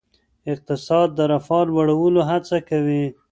اقتصاد د رفاه لوړولو هڅه کوي.